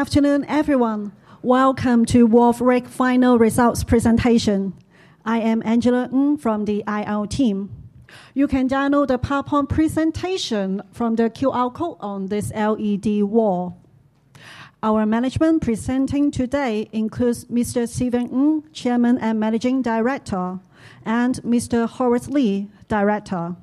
Afternoon, everyone. Welcome to Wharf REIC final results presentation. I am Angela Ng from the IR team. You can download the PowerPoint presentation from the QR code on this LED wall. Our management presenting today includes Mr. Stephen Ng, Chairman and Managing Director, and Mr. Horace Lee, Director.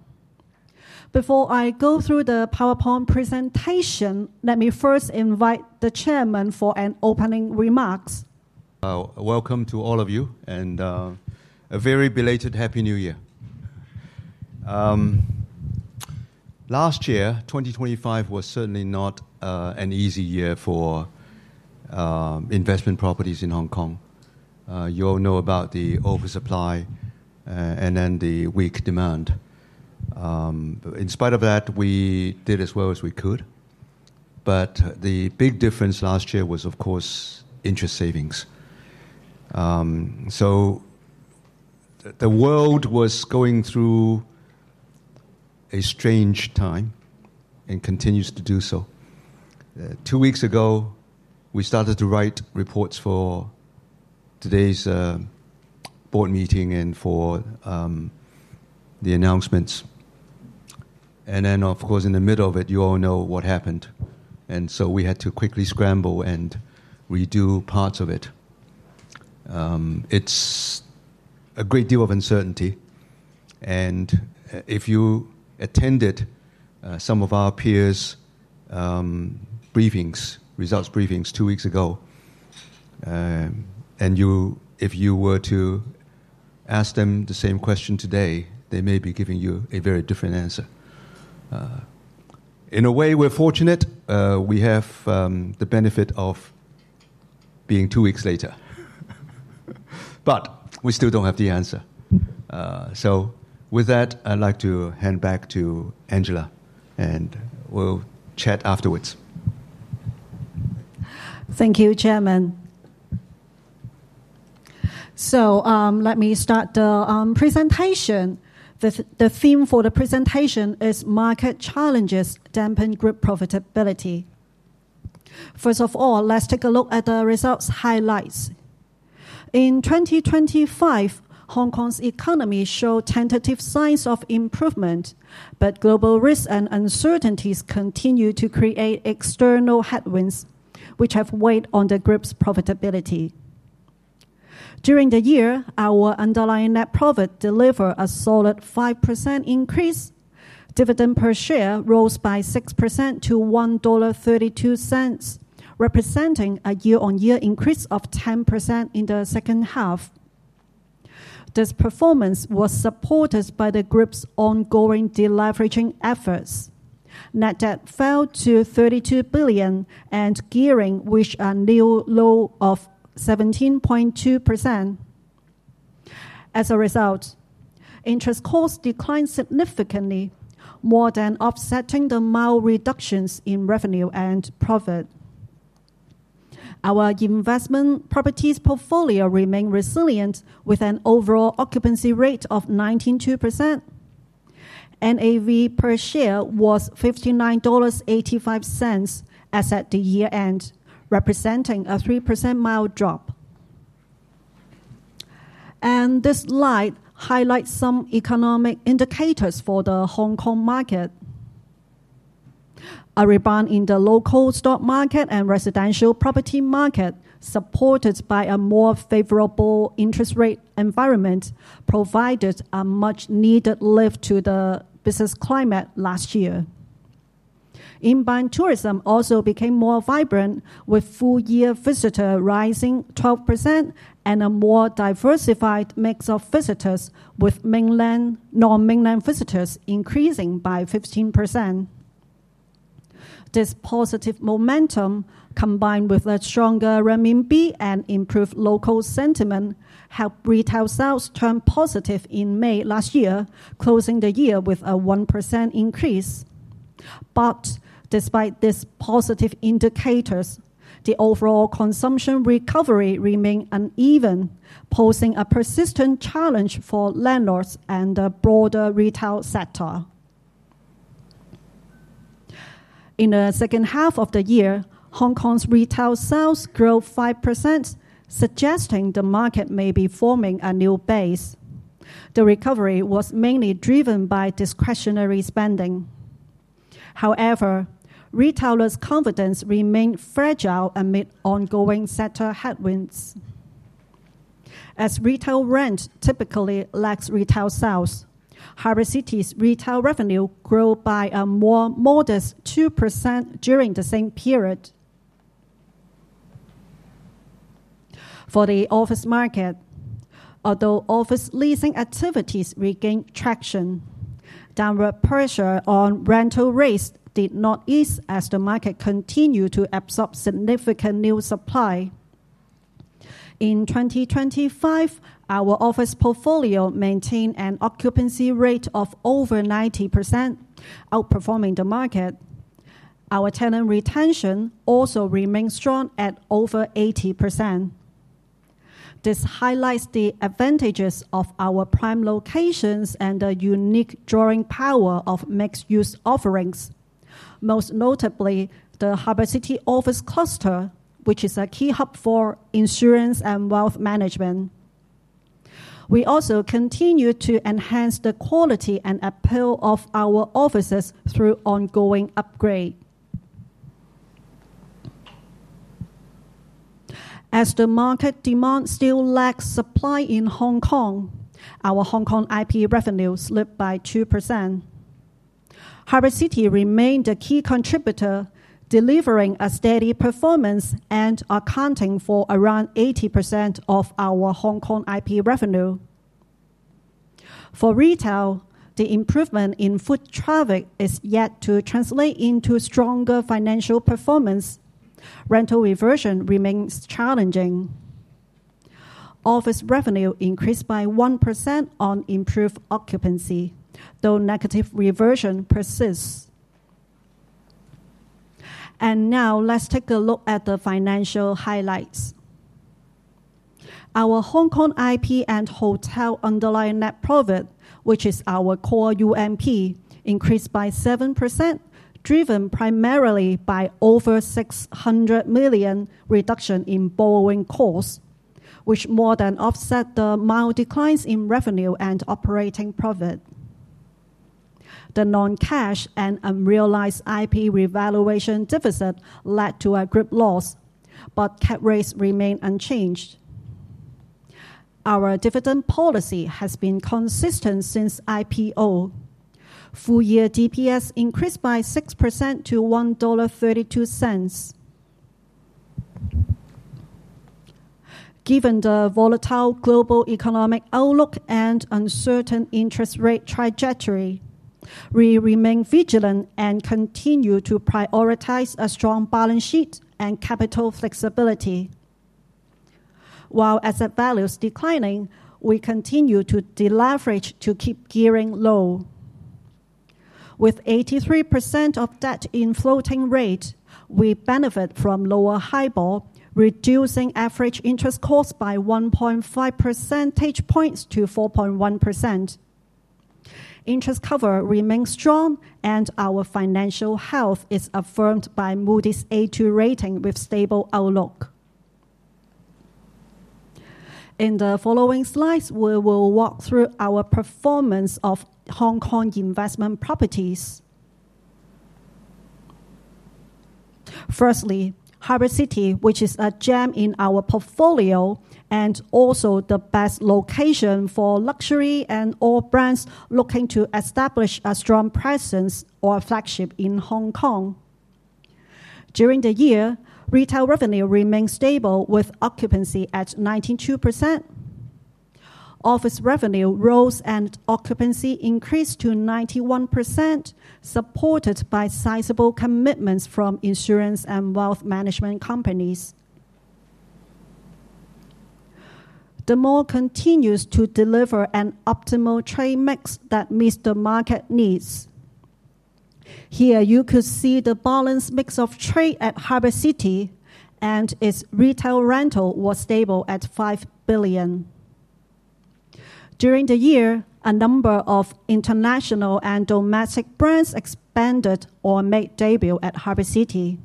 Before I go through the PowerPoint presentation, let me first invite the Chairman for an opening remarks. Welcome to all of you and a very belated Happy New Year. Last year, 2025 was certainly not an easy year for investment properties in Hong Kong. You all know about the oversupply and then the weak demand. In spite of that, we did as well as we could, but the big difference last year was, of course, interest savings. The world was going through a strange time and continues to do so. Two weeks ago, we started to write reports for today's board meeting and for the announcements. Of course, in the middle of it, you all know what happened. We had to quickly scramble and redo parts of it. It's a great deal of uncertainty. If you attended some of our peers' briefings, results briefings two weeks ago, and if you were to ask them the same question today, they may be giving you a very different answer. In a way, we're fortunate we have the benefit of being two weeks later. We still don't have the answer. With that, I'd like to hand back to Angela and we'll chat afterwards. Thank you, Chairman. Let me start the presentation. The theme for the presentation is market challenges dampen group profitability. First of all, let's take a look at the results highlights. In 2025, Hong Kong's economy show tentative signs of improvement, but global risks and uncertainties continue to create external headwinds, which have weighed on the group's profitability. During the year, our underlying net profit deliver a solid 5% increase. Dividend per share rose by 6% to 1.32 dollar, representing a year-on-year increase of 10% in the second half. This performance was supported by the group's ongoing deleveraging efforts. Net debt fell to 32 billion, and gearing reached a new low of 17.2%. As a result, interest costs declined significantly, more than offsetting the mild reductions in revenue and profit. Our investment properties portfolio remains resilient with an overall occupancy rate of 92%. NAV per share was 59.85 dollars as at the year-end, representing a 3% mild drop. This slide highlights some economic indicators for the Hong Kong market. A rebound in the local stock market and residential property market, supported by a more favorable interest rate environment, provided a much-needed lift to the business climate last year. Inbound tourism also became more vibrant, with full-year visitors rising 12% and a more diversified mix of visitors with mainland and non-mainland visitors increasing by 15%. This positive momentum, combined with a stronger renminbi and improved local sentiment, helped retail sales turn positive in May last year, closing the year with a 1% increase. Despite this positive indicators, the overall consumption recovery remain uneven, posing a persistent challenge for landlords and the broader retail sector. In the second half of the year, Hong Kong's retail sales grew 5%, suggesting the market may be forming a new base. The recovery was mainly driven by discretionary spending. However, retailers' confidence remained fragile amid ongoing sector headwinds. As retail rent typically lags retail sales, Harbour City's retail revenue grew by a more modest 2% during the same period. For the office market, although office leasing activities regained traction, downward pressure on rental rates did not ease as the market continued to absorb significant new supply. In 2025, our office portfolio maintained an occupancy rate of over 90%, outperforming the market. Our tenant retention also remains strong at over 80%. This highlights the advantages of our prime locations and the unique drawing power of mixed-use offerings. Most notably, the Harbour City office cluster, which is a key hub for insurance and wealth management. We also continue to enhance the quality and appeal of our offices through ongoing upgrade. As the market demand still lacks supply in Hong Kong, our Hong Kong IP revenue slipped by 2%. Harbour City remained a key contributor, delivering a steady performance and accounting for around 80% of our Hong Kong IP revenue. For retail, the improvement in foot traffic is yet to translate into stronger financial performance. Rental reversion remains challenging. Office revenue increased by 1% on improved occupancy, though negative reversion persists. Now let's take a look at the financial highlights. Our Hong Kong IP and hotel underlying net profit, which is our core UNP, increased by 7%, driven primarily by over 600 million reduction in borrowing costs, which more than offset the mild declines in revenue and operating profit. The non-cash and unrealized IP revaluation deficit led to a group loss, but cap rates remain unchanged. Our dividend policy has been consistent since IPO. Full-year DPS increased by 6% to 1.32 dollar. Given the volatile global economic outlook and uncertain interest rate trajectory, we remain vigilant and continue to prioritize a strong balance sheet and capital flexibility. While asset value is declining, we continue to deleverage to keep gearing low. With 83% of debt in floating rate, we benefit from lower HIBOR, reducing average interest costs by 1.5 percentage points to 4.1%. Interest cover remains strong and our financial health is affirmed by Moody's A2 rating with stable outlook. In the following slides, we will walk through our performance of Hong Kong investment properties. Firstly, Harbour City, which is a gem in our portfolio and also the best location for luxury and all brands looking to establish a strong presence or a flagship in Hong Kong. During the year, retail revenue remained stable with occupancy at 92%. Office revenue rose and occupancy increased to 91%, supported by sizable commitments from insurance and wealth management companies. The mall continues to deliver an optimal trade mix that meets the market needs. Here you could see the balanced mix of trade at Harbour City and its retail rental was stable at 5 billion. During the year, a number of international and domestic brands expanded or made debut at Harbour City,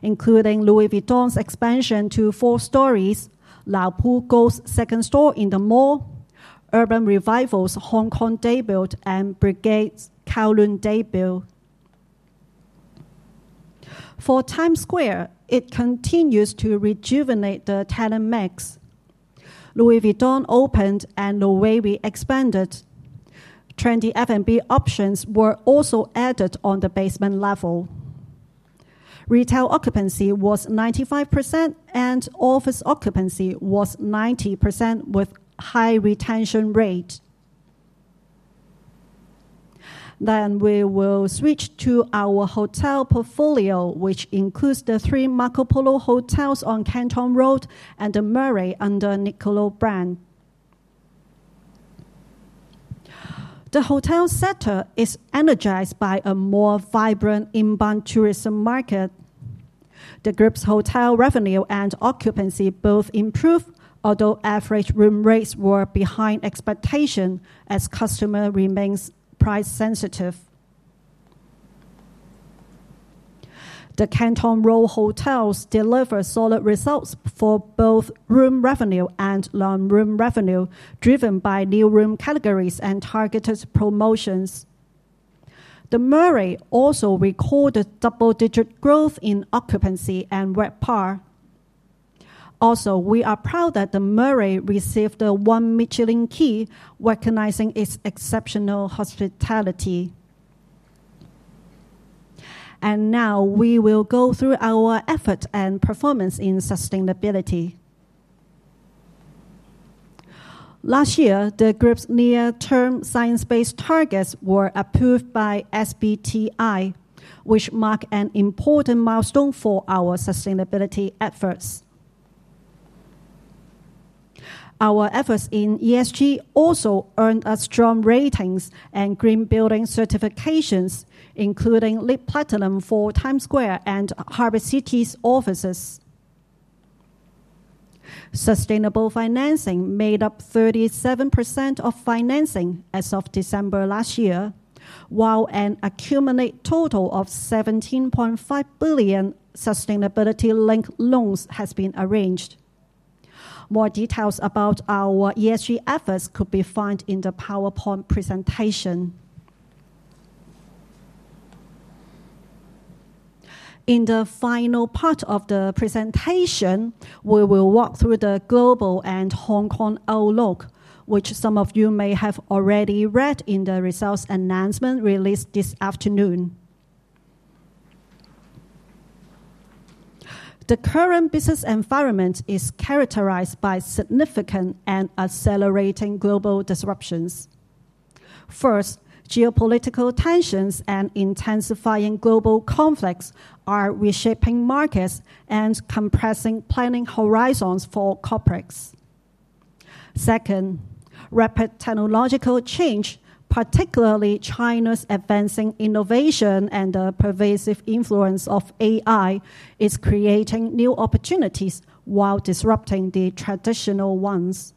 including Louis Vuitton's expansion to four stories, La Perla opens second store in the mall, Urban Revivo's Hong Kong debut, and Breguet's Kowloon debut. For Times Square, it continues to rejuvenate the tenant mix. Louis Vuitton opened and Loewe expanded. Trendy F&B options were also added on the basement level. Retail occupancy was 95% and office occupancy was 90% with high retention rate. We will switch to our hotel portfolio, which includes the three Marco Polo Hotels on Canton Road and The Murray under Niccolo brand. The hotel sector is energized by a more vibrant inbound tourism market. The group's hotel revenue and occupancy both improved, although average room rates were behind expectation as customer remains price sensitive. The Canton Road hotels deliver solid results for both room revenue and non-room revenue, driven by new room categories and targeted promotions. The Murray also recorded double-digit growth in occupancy and RevPAR. Also, we are proud that The Murray received the one Michelin Key, recognizing its exceptional hospitality. Now we will go through our effort and performance in sustainability. Last year, the group's near-term science-based targets were approved by SBTi, which mark an important milestone for our sustainability efforts. Our efforts in ESG also earned us strong ratings and green building certifications, including LEED Platinum for Times Square and Harbour City's offices. Sustainable financing made up 37% of financing as of December last year, while an accumulated total of 17.5 billion sustainability-linked loans has been arranged. More details about our ESG efforts could be found in the PowerPoint presentation. In the final part of the presentation, we will walk through the global and Hong Kong outlook, which some of you may have already read in the results announcement released this afternoon. The current business environment is characterized by significant and accelerating global disruptions. First, geopolitical tensions and intensifying global conflicts are reshaping markets and compressing planning horizons for corporates. Second, rapid technological change, particularly China's advancing innovation and the pervasive influence of AI, is creating new opportunities while disrupting the traditional ones.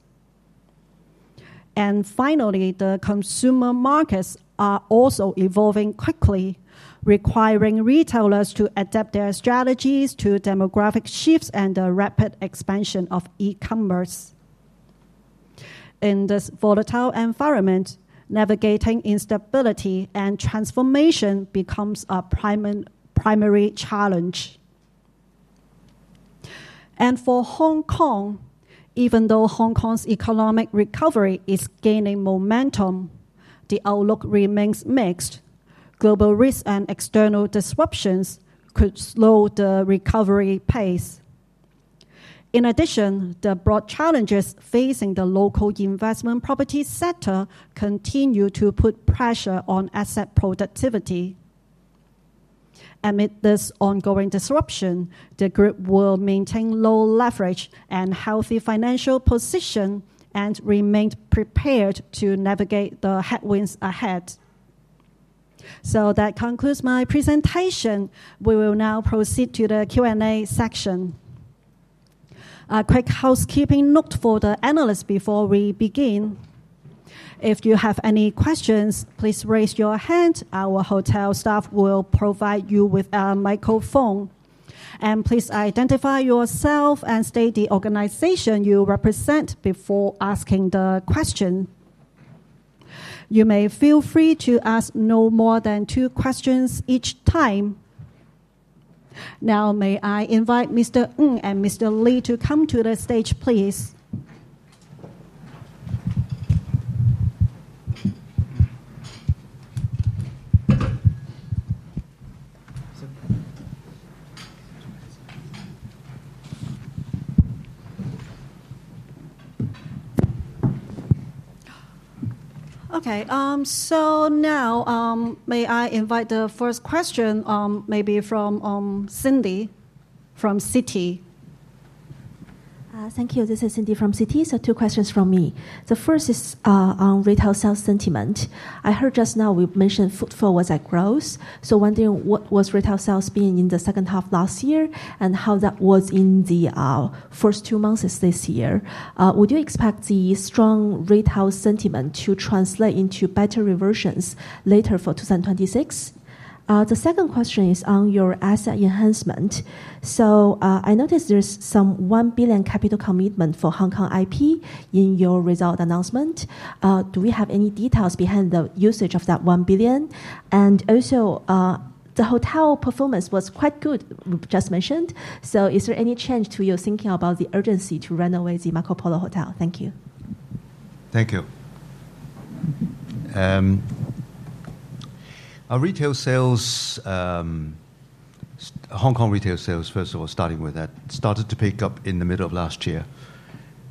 Finally, the consumer markets are also evolving quickly, requiring retailers to adapt their strategies to demographic shifts and the rapid expansion of e-commerce. In this volatile environment, navigating instability and transformation becomes a primary challenge. For Hong Kong, even though Hong Kong's economic recovery is gaining momentum, the outlook remains mixed. Global risks and external disruptions could slow the recovery pace. In addition, the broad challenges facing the local investment properties sector continue to put pressure on asset productivity. Amid this ongoing disruption, the group will maintain low leverage and healthy financial position and remained prepared to navigate the headwinds ahead. That concludes my presentation. We will now proceed to the Q&A section. A quick housekeeping note for the analysts before we begin. If you have any questions, please raise your hand. Our hotel staff will provide you with a microphone. Please identify yourself and state the organization you represent before asking the question. You may feel free to ask no more than two questions each time. Now, may I invite Mr. Ng and Mr. Lee to come to the stage, please. Okay. Now, may I invite the first question, maybe from Cindy from Citi. Thank you. This is Cindy from Citi. Two questions from me. The first is on retail sales sentiment. I heard just now we've mentioned footfall was at growth. Wondering what was retail sales been in the second half last year and how that was in the first two months this year? Would you expect the strong retail sentiment to translate into better reversions later for 2026? The second question is on your asset enhancement. I noticed there's some 1 billion capital commitment for Hong Kong IP in your result announcement. Do we have any details behind the usage of that 1 billion? And also, the hotel performance was quite good, just mentioned, so is there any change to your thinking about the urgency to renovate the Marco Polo Hotel? Thank you. Thank you. Our retail sales, Hong Kong retail sales, first of all, starting with that, started to pick up in the middle of last year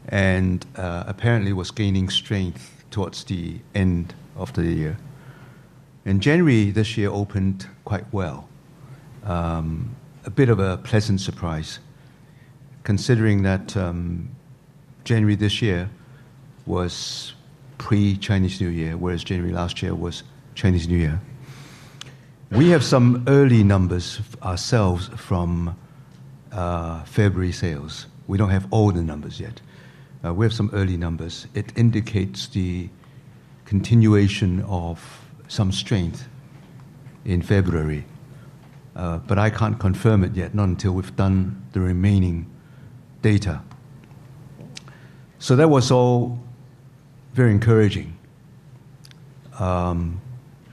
and apparently was gaining strength towards the end of the year. January this year opened quite well. A bit of a pleasant surprise considering that, January this year was pre-Chinese New Year, whereas January last year was Chinese New Year. We have some early numbers ourselves from February sales. We don't have all the numbers yet. It indicates the continuation of some strength in February. But I can't confirm it yet, not until we've done the remaining data. That was all very encouraging.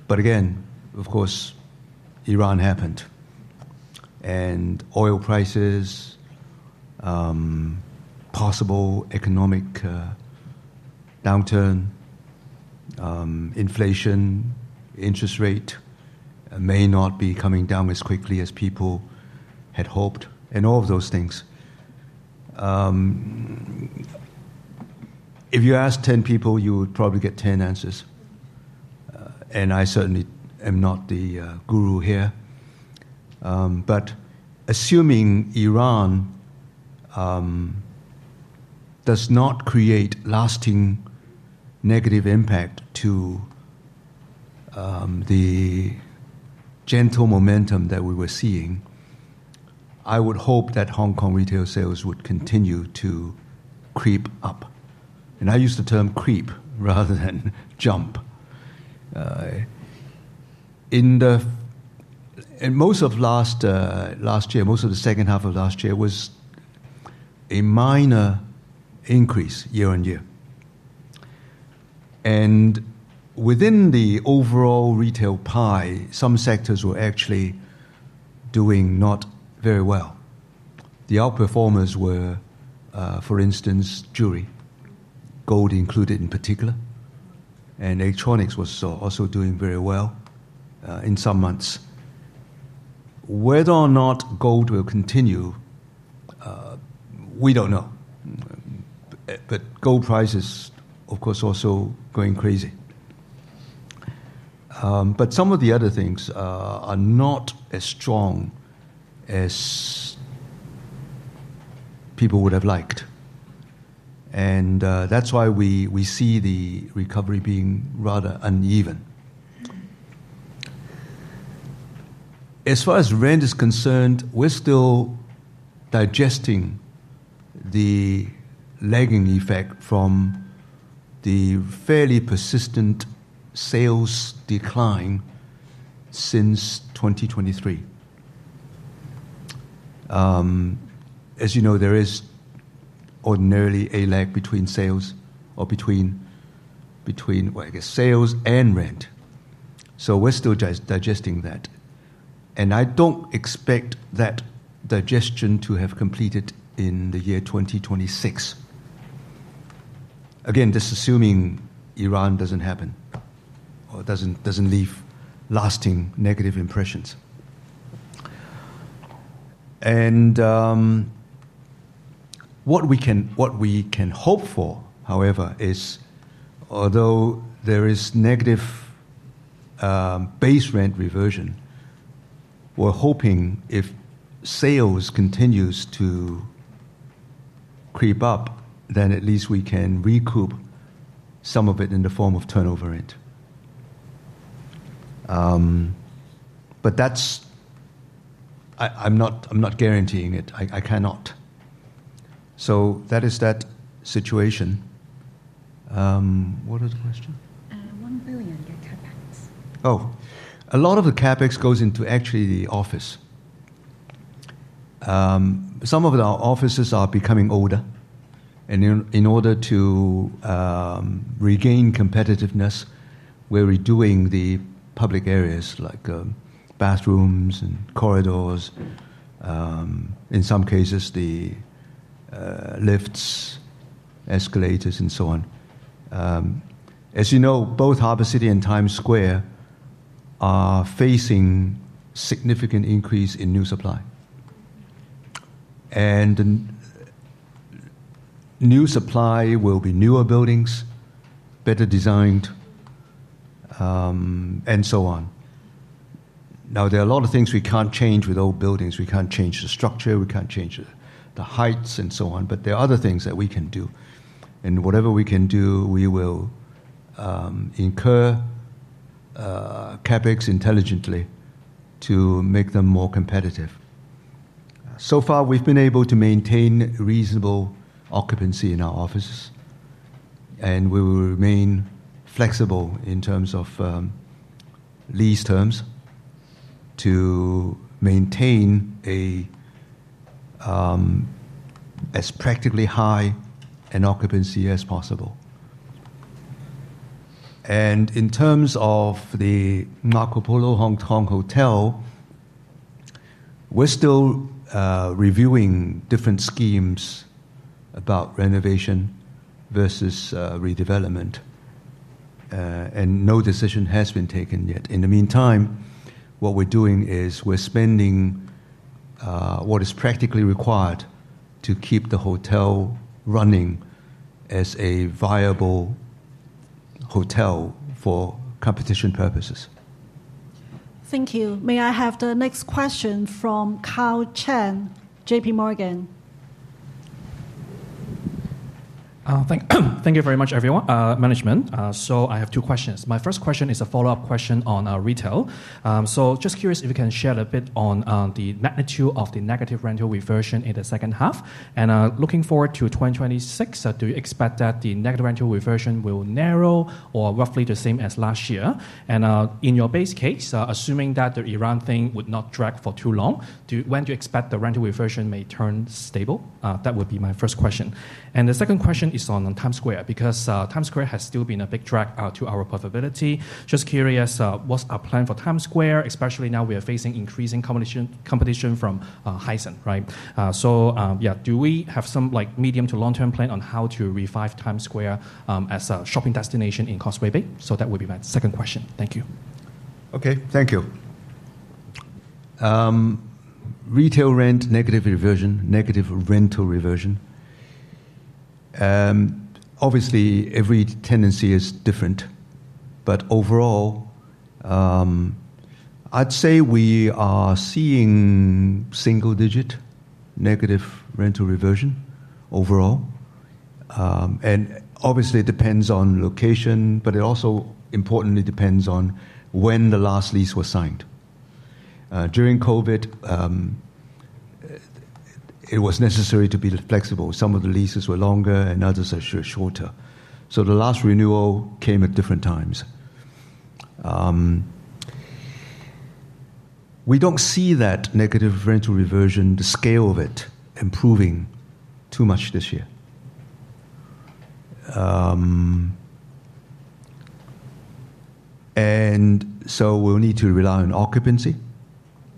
Again, of course, Iran happened and oil prices, possible economic downturn, inflation, interest rate may not be coming down as quickly as people had hoped and all of those things. If you ask 10 people, you would probably get 10 answers. I certainly am not the guru here. Assuming Iran does not create lasting negative impact to the gentle momentum that we were seeing, I would hope that Hong Kong retail sales would continue to creep up. I use the term creep rather than jump. In most of last year, most of the second half of last year was a minor increase year-on-year. Within the overall retail pie, some sectors were actually doing not very well. The outperformers were, for instance, jewelry, gold included in particular, and electronics was also doing very well, in some months. Whether or not gold will continue, we don't know. Gold price is, of course, also going crazy. Some of the other things are not as strong as people would have liked. That's why we see the recovery being rather uneven. As far as rent is concerned, we're still digesting the lagging effect from the fairly persistent sales decline since 2023. As you know, there is ordinarily a lag between sales or between, well, I guess sales and rent. We're still digesting that. I don't expect that digestion to have completed in the year 2026. Again, just assuming Iran doesn't happen or doesn't leave lasting negative impressions. What we can hope for, however, is although there is negative base rent reversion, we're hoping if sales continues to creep up, then at least we can recoup some of it in the form of turnover rent. But that's it. I'm not guaranteeing it. I cannot. That is that situation. What was the question? 1 billion, your CapEx. A lot of the CapEx goes into actually the office. Some of our offices are becoming older, and in order to regain competitiveness, we're redoing the public areas like bathrooms and corridors, in some cases the lifts, escalators and so on. As you know, both Harbour City and Times Square are facing significant increase in new supply. New supply will be newer buildings, better designed, and so on. Now, there are a lot of things we can't change with old buildings. We can't change the structure, we can't change the heights and so on, but there are other things that we can do. Whatever we can do, we will incur CapEx intelligently to make them more competitive. So far, we've been able to maintain reasonable occupancy in our offices, and we will remain flexible in terms of lease terms to maintain as practically high an occupancy as possible. In terms of the Marco Polo Hongkong Hotel, we're still reviewing different schemes about renovation versus redevelopment. No decision has been taken yet. In the meantime, what we're doing is we're spending what is practically required to keep the hotel running as a viable hotel for competition purposes. Thank you. May I have the next question from Karl Chan, JPMorgan? Thank you very much everyone, management. I have two questions. My first question is a follow-up question on retail. Just curious if you can share a bit on the magnitude of the negative rental reversion in the second half. Looking forward to 2026, do you expect that the negative rental reversion will narrow or roughly the same as last year? In your base case, assuming that the Iran thing would not drag for too long, when do you expect the rental reversion may turn stable? That would be my first question. The second question is on Times Square, because Times Square has still been a big drag to our profitability. Just curious, what's our plan for Times Square, especially now we are facing increasing competition from Hysan, right? Yeah, do we have some like medium to long-term plan on how to revive Times Square as a shopping destination in Causeway Bay? That would be my second question. Thank you. Okay. Thank you. Retail rent, negative reversion, negative rental reversion. Obviously every tenancy is different. Overall, I'd say we are seeing single-digit negative rental reversion overall. Obviously it depends on location, but it also importantly depends on when the last lease was signed. During COVID, it was necessary to be flexible. Some of the leases were longer and others are shorter. The last renewal came at different times. We don't see that negative rental reversion, the scale of it, improving too much this year. We'll need to rely on occupancy,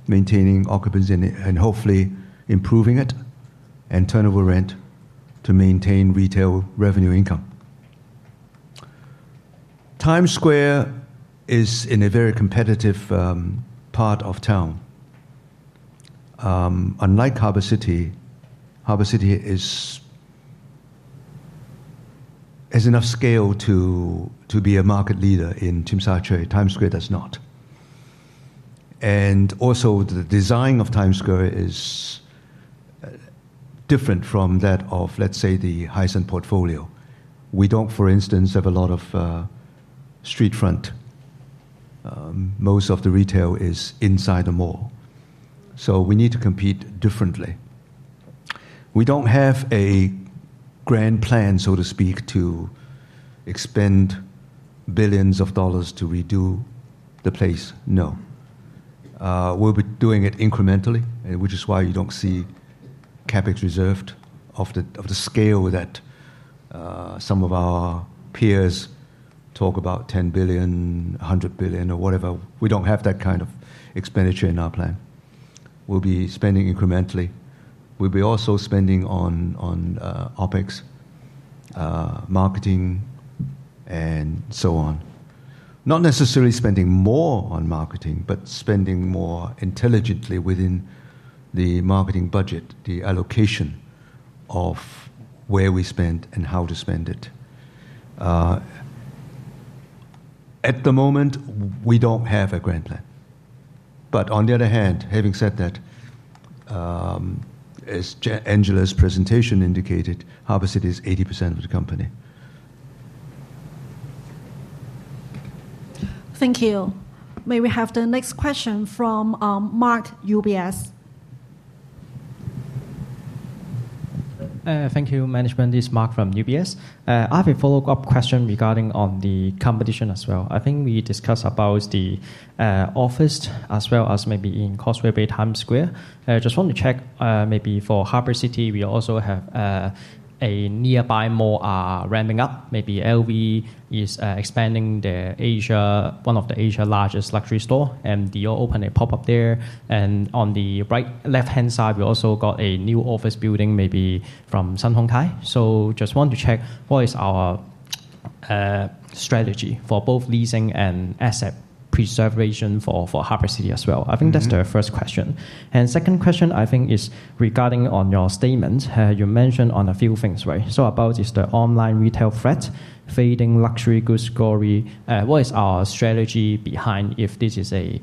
maintaining occupancy and hopefully improving it, and turnover rent to maintain retail revenue income. Times Square is in a very competitive part of town. Unlike Harbour City, Harbour City has enough scale to be a market leader in Tsim Sha Tsui. Times Square does not. Also, the design of Times Square is different from that of, let's say, the Hysan portfolio. We don't, for instance, have a lot of street front. Most of the retail is inside the mall. We need to compete differently. We don't have a grand plan, so to speak, to expend billions of dollars to redo the place. No. We'll be doing it incrementally, which is why you don't see CapEx reserves of the scale that some of our peers talk about 10 billion, 100 billion, or whatever. We don't have that kind of expenditure in our plan. We'll be spending incrementally. We'll also be spending on OpEx, marketing, and so on. Not necessarily spending more on marketing, but spending more intelligently within the marketing budget, the allocation of where we spend and how to spend it. At the moment, we don't have a grand plan. On the other hand, having said that, as Angela's presentation indicated, Harbour City is 80% of the company. Thank you. May we have the next question from Mark, UBS? Thank you, management. It's Mark from UBS. I have a follow-up question regarding the competition as well. I think we discussed about the office as well as maybe in Causeway Bay, Times Square. Just want to check, maybe for Harbour City, we also have a nearby mall ramping up. Maybe LV is expanding their Asia's one of Asia's largest luxury store, and they'll open a pop-up there. And on the right- and left-hand side, we also got a new office building maybe from Sun Hung Kai Properties. So just want to check what is our strategy for both leasing and asset preservation for Harbour City as well? I think that's the first question. Second question, I think is regarding your statement. You mentioned a few things, right? About the online retail threat, fading luxury goods glory. What is our strategy behind if this is a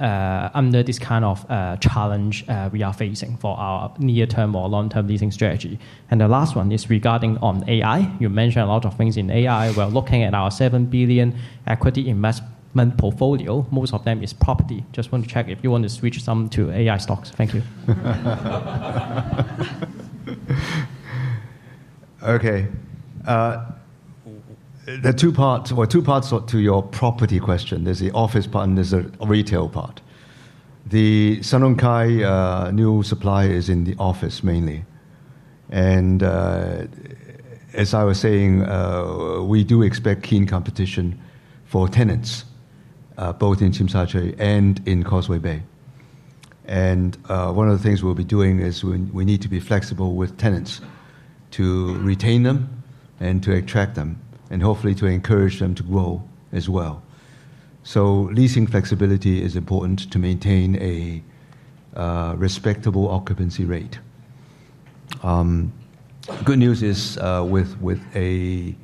under this kind of challenge we are facing for our near-term or long-term leasing strategy? The last one is regarding on AI. You mentioned a lot of things in AI. We're looking at our 7 billion equity investment portfolio. Most of them is property. Just want to check if you want to switch some to AI stocks. Thank you. Okay. There are two parts to your property question. There's the office part and there's the retail part. The Sun Hung Kai Properties new supply is in the office mainly. As I was saying, we do expect keen competition for tenants both in Tsim Sha Tsui and in Causeway Bay. One of the things we'll be doing is we need to be flexible with tenants to retain them and to attract them, and hopefully to encourage them to grow as well. Leasing flexibility is important to maintain a respectable occupancy rate. Good news is, with a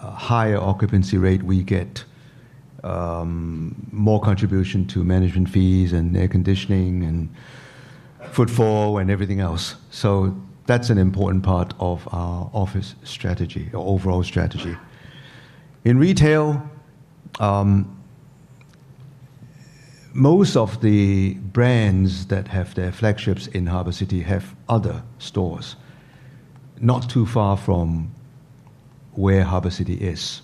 higher occupancy rate, we get more contribution to management fees and air conditioning and footfall and everything else. That's an important part of our office strategy or overall strategy. In retail, most of the brands that have their flagships in Harbour City have other stores not too far from where Harbour City is.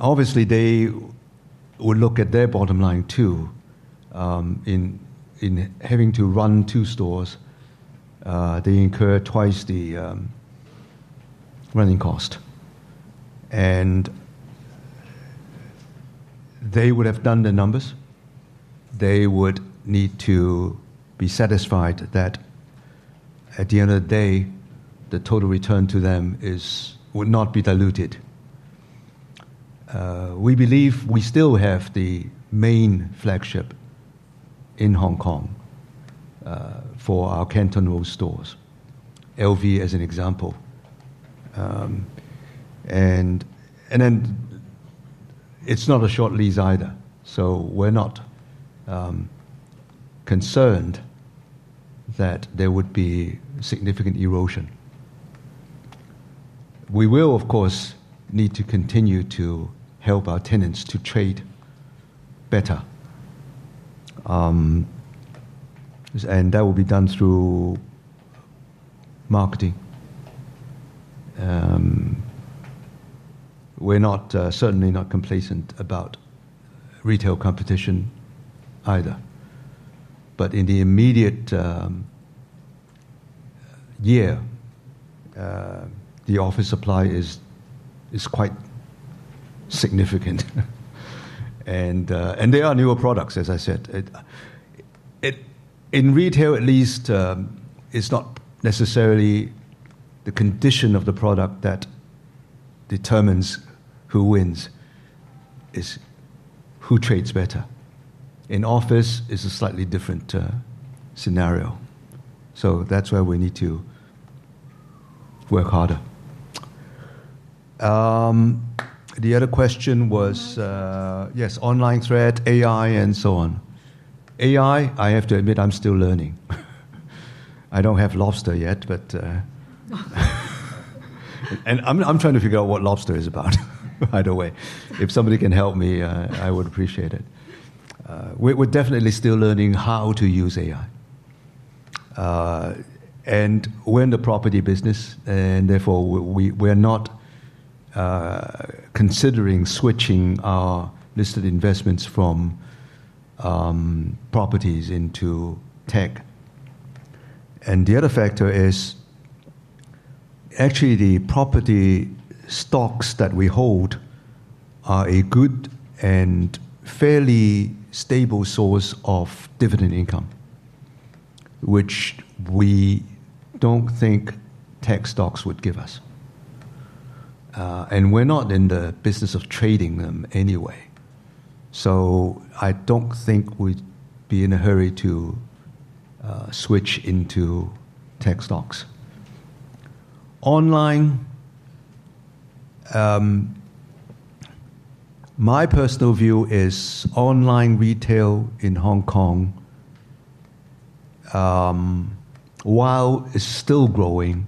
Obviously, they will look at their bottom line, too. In having to run two stores, they incur twice the running cost. They would have done the numbers. They would need to be satisfied that at the end of the day, the total return to them would not be diluted. We believe we still have the main flagship in Hong Kong for our Canton Road stores. LV as an example. It's not a short lease either, so we're not concerned that there would be significant erosion. We will of course need to continue to help our tenants to trade better. That will be done through marketing. We're not certainly not complacent about retail competition either. In the immediate year, the office supply is quite significant. There are newer products, as I said. In retail at least, it's not necessarily the condition of the product that determines who wins, it's who trades better. In office, it's a slightly different scenario. That's where we need to work harder. The other question was, Online threat Yes, online threat, AI and so on. AI, I have to admit I'm still learning. I don't have [Lobster] yet, but I'm trying to figure out what [Lobster] is about, by the way. If somebody can help me, I would appreciate it. We're definitely still learning how to use AI. We're in the property business and therefore we're not considering switching our listed investments from properties into tech. The other factor is actually the property stocks that we hold are a good and fairly stable source of dividend income, which we don't think tech stocks would give us. We're not in the business of trading them anyway, so I don't think we'd be in a hurry to switch into tech stocks. Online, my personal view is online retail in Hong Kong, while it's still growing,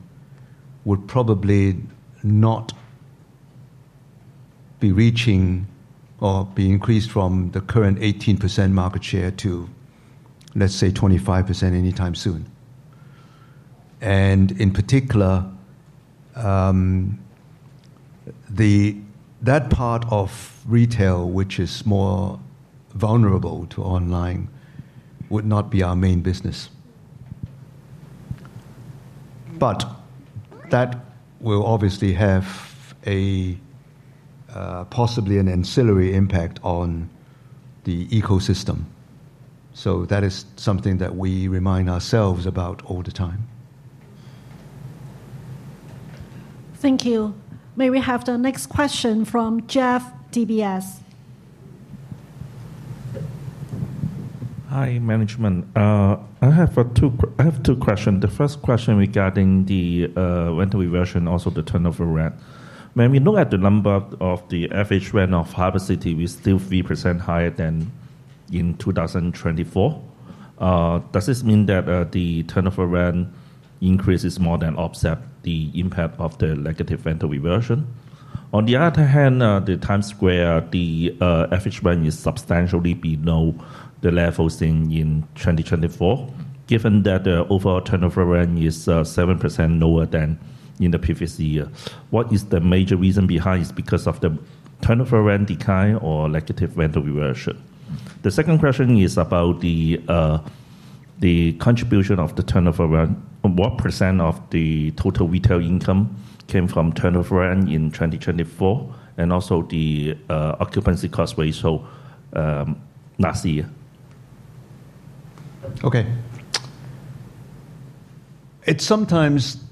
would probably not be reaching or be increased from the current 18% market share to, let's say, 25% anytime soon. In particular, that part of retail which is more vulnerable to online would not be our main business. That will obviously have a possibly an ancillary impact on the ecosystem. That is something that we remind ourselves about all the time. Thank you. May we have the next question from Jeff, DBS. Hi, management. I have two question. The first question regarding the rental reversion, also the turnover rent. When we look at the number of the average rent of Harbour City, we still 3% higher than in 2024. Does this mean that the turnover rent increase is more than offset the impact of the negative rental reversion? On the other hand, the Times Square average rent is substantially below the levels in 2024. Given that the overall turnover rent is 7% lower than in the previous year, what is the major reason behind? It's because of the turnover rent decline or negative rental reversion? The second question is about the contribution of the turnover rent. What % of the total retail income came from turnover rent in 2024, and also the occupancy cost were so last year? Okay. It's sometimes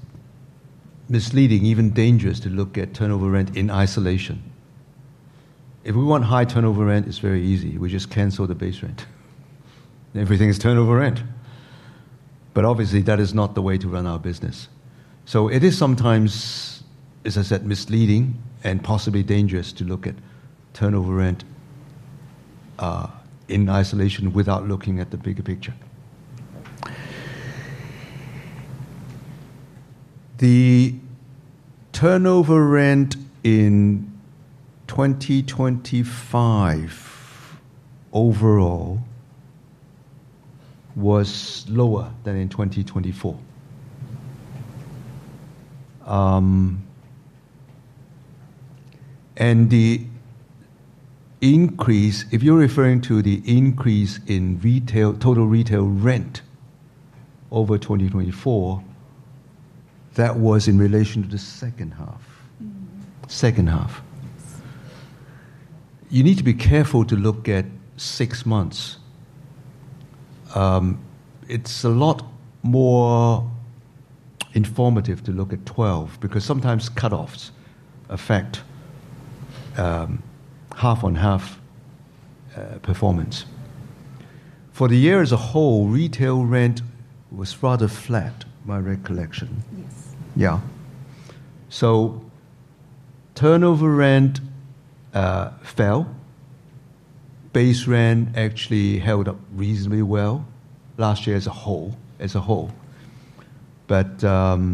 misleading, even dangerous to look at turnover rent in isolation. If we want high turnover rent, it's very easy. We just cancel the base rent. Everything is turnover rent. But obviously that is not the way to run our business. It is sometimes, as I said, misleading and possibly dangerous to look at turnover rent in isolation without looking at the bigger picture. The turnover rent in 2025 overall was lower than in 2024. If you're referring to the increase in total retail rent over 2024, that was in relation to the second half. Mm-hmm. Second half. You need to be careful to look at six months. It's a lot more informative to look at 12, because sometimes cut-offs affect half-on-half performance. For the year as a whole, retail rent was rather flat, my recollection. Yes. Yeah. Turnover rent fell. Base rent actually held up reasonably well last year as a whole. The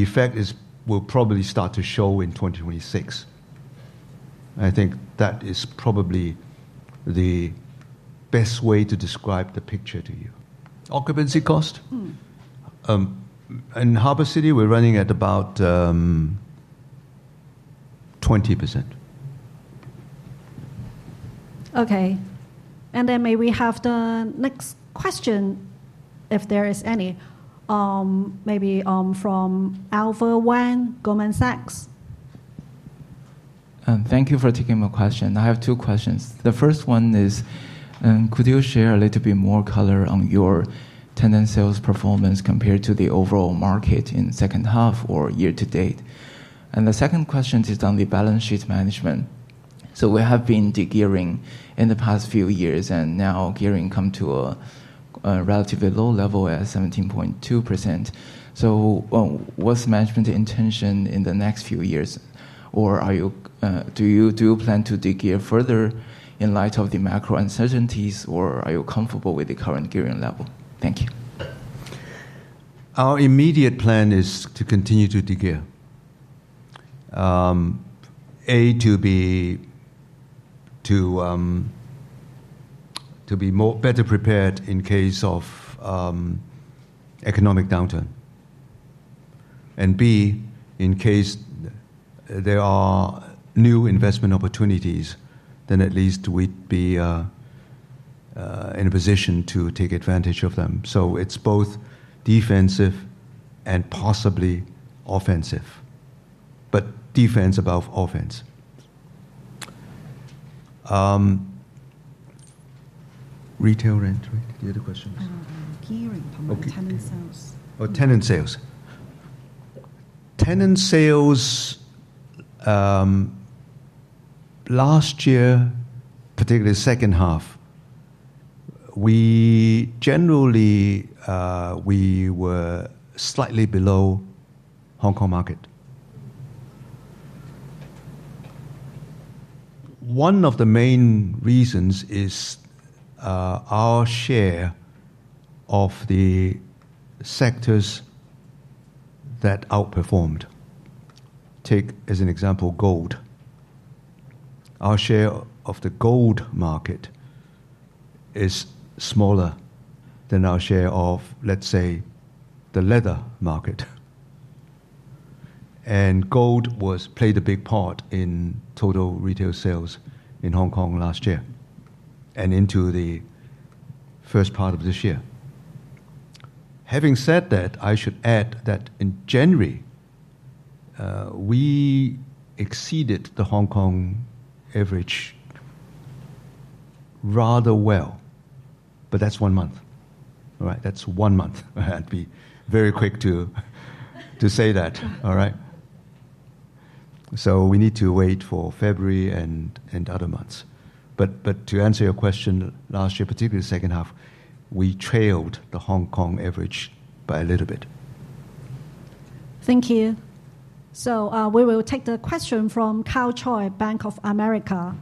effect will probably start to show in 2026. I think that is probably the best way to describe the picture to you. Occupancy cost? Mm. In Harbour City, we're running at about 20%. Okay. Then may we have the next question, if there is any, maybe, from Alpha Wang, Goldman Sachs. Thank you for taking my question. I have two questions. The first one is, could you share a little bit more color on your tenant sales performance compared to the overall market in the second half or year to date? The second question is on the balance sheet management. We have been de-gearing in the past few years, and now gearing has come to a relatively low level at 17.2%. What's management's intention in the next few years? Or do you plan to de-gear further in light of the macro uncertainties, or are you comfortable with the current gearing level? Thank you. Our immediate plan is to continue to de-gear. A, to be better prepared in case of economic downturn. B, in case there are new investment opportunities, then at least we'd be in a position to take advantage of them. It's both defensive and possibly offensive. Defense above offense. Retail rent, right? The other question was? Uh, gearing- Okay. from the tenant sales. Oh, tenant sales. Tenant sales last year, particularly second half, we were slightly below Hong Kong market. One of the main reasons is our share of the sectors that outperformed. Take as an example, gold. Our share of the gold market is smaller than our share of, let's say, the leather market. Gold played a big part in total retail sales in Hong Kong last year and into the first part of this year. Having said that, I should add that in January we exceeded the Hong Kong average rather well. That's one month, all right? That's one month. I'd be very quick to say that. All right? We need to wait for February and other months. To answer your question, last year, particularly second half, we trailed the Hong Kong average by a little bit. Thank you. We will take the question from Karl Choi, Bank of America.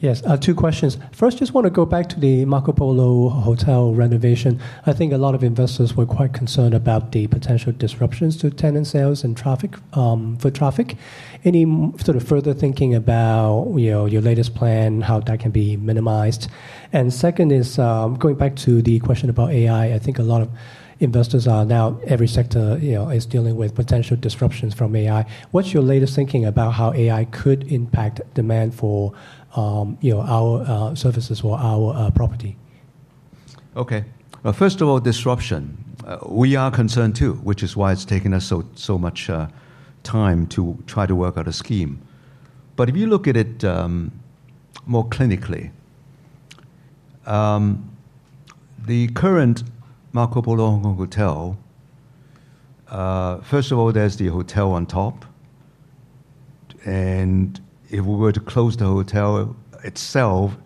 Yes, two questions. First, just wanna go back to the Marco Polo Hotel renovation. I think a lot of investors were quite concerned about the potential disruptions to tenant sales and traffic, foot traffic. Any sort of further thinking about, you know, your latest plan, how that can be minimized? Second is, going back to the question about AI. I think a lot of investors are now every sector, you know, is dealing with potential disruptions from AI. What's your latest thinking about how AI could impact demand for, you know, our services or our property? Okay. First of all, disruption. We are concerned too, which is why it's taken us so much time to try to work out a scheme. If you look at it more clinically, the current Marco Polo Hongkong Hotel, first of all, there's the hotel on top. If we were to close the hotel itself,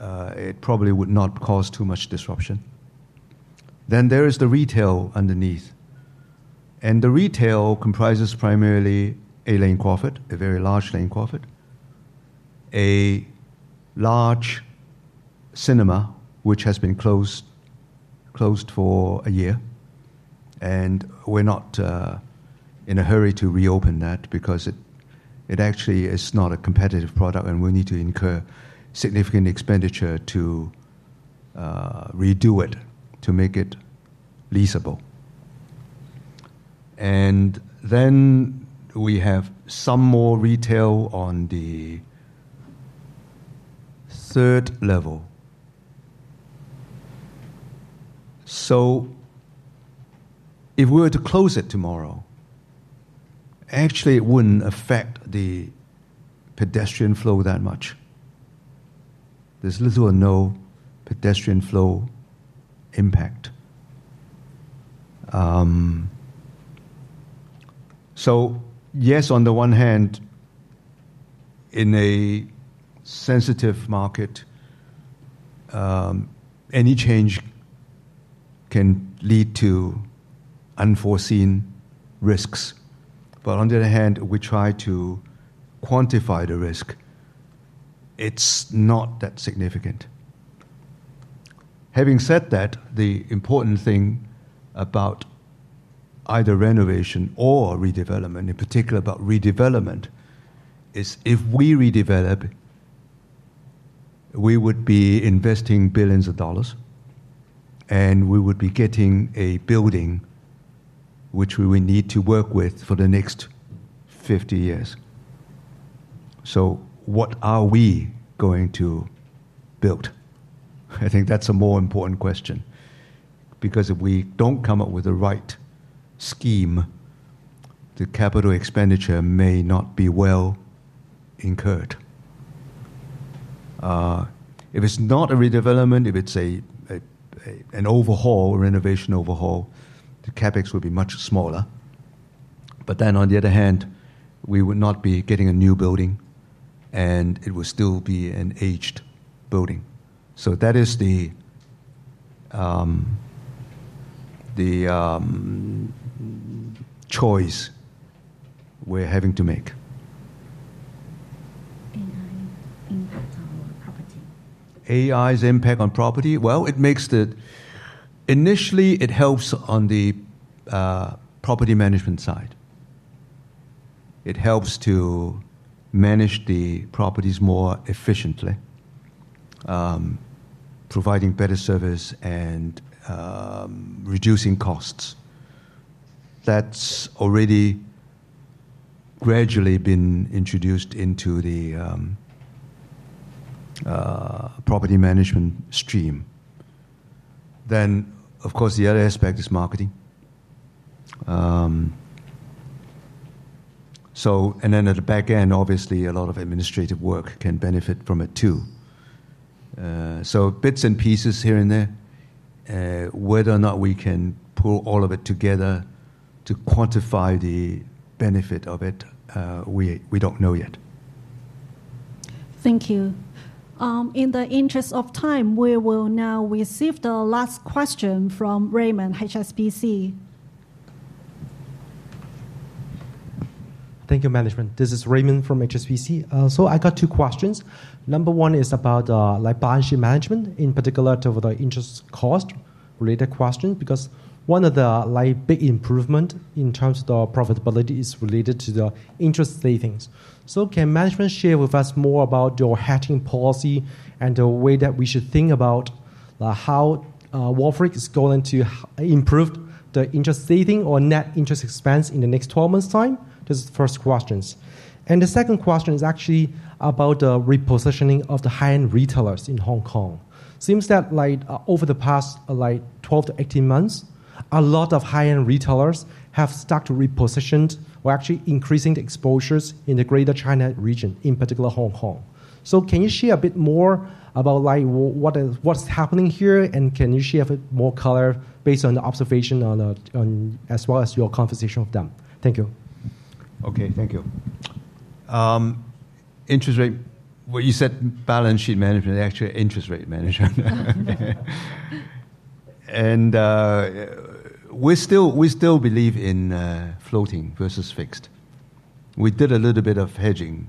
it probably would not cause too much disruption. There is the retail underneath. The retail comprises primarily a Lane Crawford, a very large Lane Crawford, a large cinema which has been closed for a year, and we're not in a hurry to reopen that because it actually is not a competitive product and we need to incur significant expenditure to redo it to make it leasable. We have some more retail on the third level. If we were to close it tomorrow, actually it wouldn't affect the pedestrian flow that much. There's little or no pedestrian flow impact. Yes, on the one hand, in a sensitive market, any change can lead to unforeseen risks. On the other hand, we try to quantify the risk. It's not that significant. Having said that, the important thing about either renovation or redevelopment, in particular about redevelopment, is if we redevelop, we would be investing billions of HKD, and we would be getting a building which we will need to work with for the next 50 years. What are we going to build? I think that's a more important question, because if we don't come up with the right scheme, the capital expenditure may not be well incurred. If it's not a redevelopment, if it's an overhaul, a renovation overhaul, the CapEx will be much smaller. On the other hand, we would not be getting a new building, and it would still be an aged building. That is the choice we're having to make. AI impact on property. AI's impact on property? Initially, it helps on the property management side. It helps to manage the properties more efficiently, providing better service and reducing costs. That's already gradually been introduced into the property management stream. Of course, the other aspect is marketing. At the back end, obviously a lot of administrative work can benefit from it too. Bits and pieces here and there. Whether or not we can pull all of it together to quantify the benefit of it, we don't know yet. Thank you. In the interest of time, we will now receive the last question from Raymond, HSBC. Thank you management. This is Raymond from HSBC. I got two questions. Number one is about, like balance sheet management, in particular to the interest cost related question, because one of the, like, big improvement in terms of the profitability is related to the interest savings. Can management share with us more about your hedging policy and the way that we should think about, how Wharf is going to improve the interest saving or net interest expense in the next 12 months time? That's the first questions. The second question is actually about the repositioning of the high-end retailers in Hong Kong. It seems that, like, over the past, like 12-18 months, a lot of high-end retailers have started to reposition or actually increasing the exposures in the Greater China region, in particular Hong Kong. Can you share a bit more about, like, what's happening here and can you share a bit more color based on the observation as well as your conversation with them? Thank you. Okay. Thank you. Interest rate. What you said, balance sheet management. Actually, interest rate management. We still believe in floating versus fixed. We did a little bit of hedging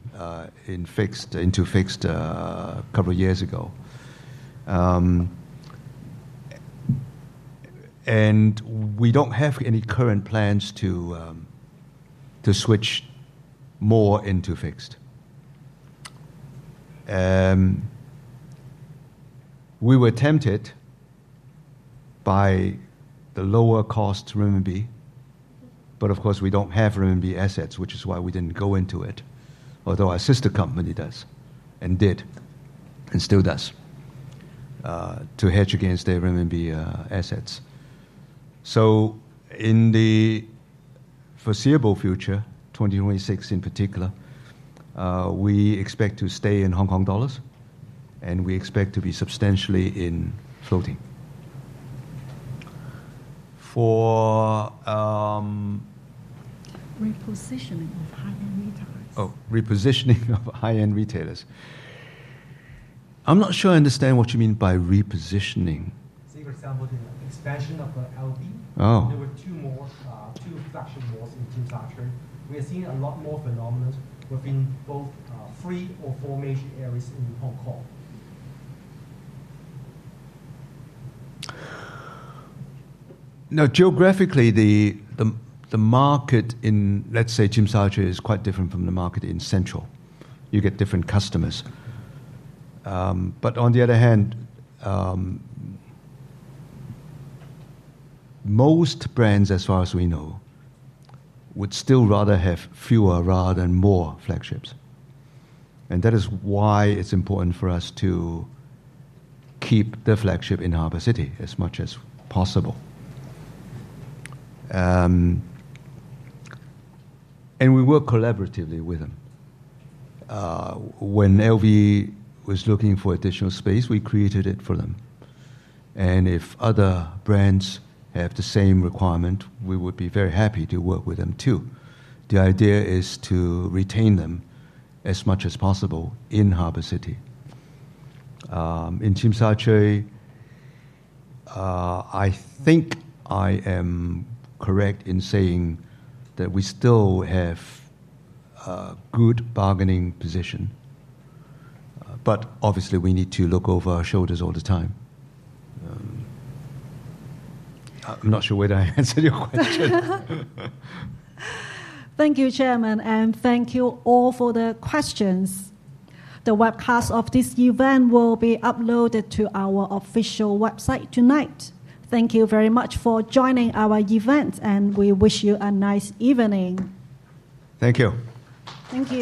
into fixed a couple years ago. We don't have any current plans to switch more into fixed. We were tempted by the lower-cost renminbi, but of course we don't have renminbi assets, which is why we didn't go into it, although our sister company does and did, and still does to hedge against their renminbi assets. In the foreseeable future, 2026 in particular, we expect to stay in Hong Kong dollars, and we expect to be substantially in floating. Repositioning of high-end retailers. Oh, repositioning of high-end retailers. I'm not sure I understand what you mean by repositioning. Say for example, the expansion of LV. Oh. There were two more flagship malls in Tsim Sha Tsui. We are seeing a lot more phenomenon within three or four major areas in Hong Kong. No, geographically, the market in, let's say, Tsim Sha Tsui is quite different from the market in Central. You get different customers. On the other hand, most brands, as far as we know, would still rather have fewer rather than more flagships, and that is why it's important for us to keep the flagship in Harbour City as much as possible. We work collaboratively with them. When LV was looking for additional space, we created it for them, and if other brands have the same requirement, we would be very happy to work with them too. The idea is to retain them as much as possible in Harbour City. In Tsim Sha Tsui, I think I am correct in saying that we still have a good bargaining position, but obviously we need to look over our shoulders all the time. I'm not sure whether I answered your question. Thank you, Chairman, and thank you all for the questions. The webcast of this event will be uploaded to our official website tonight. Thank you very much for joining our event, and we wish you a nice evening. Thank you. Thank you.